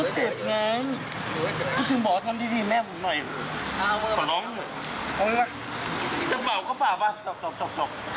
เจ้าเปล่าก็เปล่าจบ